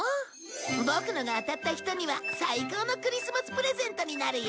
ボクのが当たった人には最高のクリスマスプレゼントになるよ。